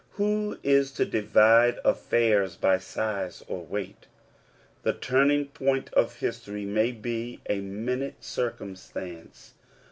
Who is to divide affairs by size or weight ? The turning point of history may be a minute circumstance.